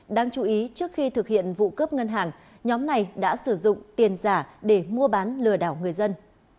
đáng chú ý trước khi thực hiện vụ cướp ngân hàng nhóm này đã sử dụng tiền giả để mua bán lừa đảo người dân